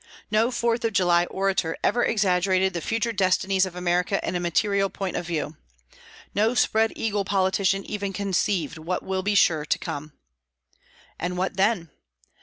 No Fourth of July orator ever exaggerated the future destinies of America in a material point of view. No "spread eagle" politician even conceived what will be sure to come. And what then?